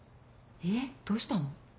えっどうしたの？